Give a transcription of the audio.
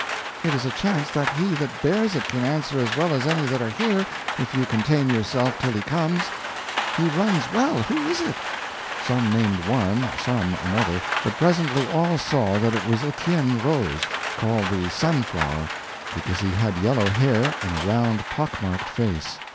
"It is a chance that he that bears it can answer as well as any that are here, if you contain yourself till he comes." "He runs well. Who is it?" Some named one, some another; but presently all saw that it was Etienne Roze, called the Sunflower, because he had yellow hair and a round pock marked face.